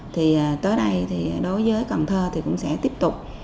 thì tới đây đối với cần thơ cũng sẽ tiếp tục